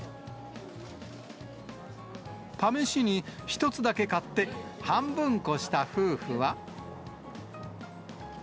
試しに１つだけ買って、半分こした夫婦は。